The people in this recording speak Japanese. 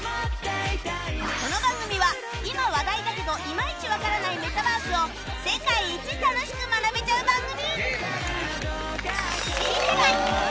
この番組は今話題だけどいまいちわからないメタバースを世界一楽しく学べちゃう番組！